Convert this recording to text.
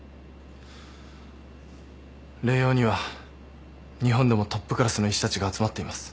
麗洋には日本でもトップクラスの医師たちが集まっています。